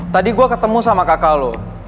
tadi gue ketemu sama kakak lo